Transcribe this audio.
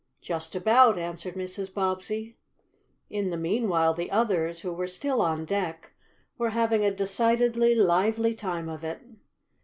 "Just about," answered Mrs. Bobbsey. In the meanwhile the others, who were still on deck, were having a decidedly lively time of it.